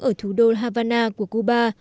ở thủ đô havana của cuba